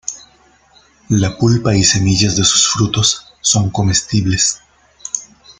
La pulpa y semillas de sus frutos son comestibles.